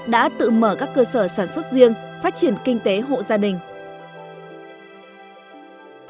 đã tự mở các cơ sở sản xuất riêng phát triển kinh tế hộ gia đình